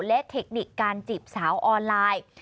และเทคนิคการจีบสาวออนไลน์